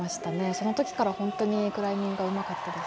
その時から、本当にクライミングうまかったです。